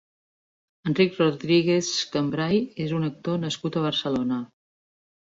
Enric Rodríguez Cambray és un actor nascut a Barcelona.